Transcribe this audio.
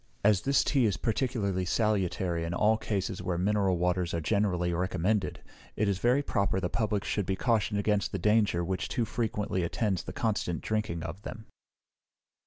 As this tea is particularly salutary in all cases where mineral waters are generally recommended, it is very proper the Public should be cautioned against the danger which too frequently attends the constant drinking of them.